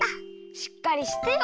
しっかりしてよ。